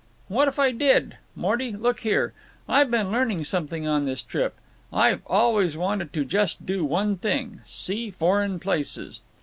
"What if I did? Morty, look here. I've been learning something on this trip. I've always wanted to just do one thing—see foreign places.